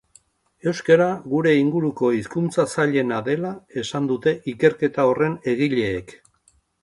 Euskara gure inguruko hizkuntza zailena dela esan dute ikerketa horren egileek.